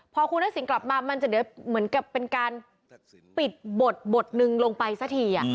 พอคุณทักศิลป์กลับมามันจะเหมือนกับเป็นการปิดบทนึงลงไปซะที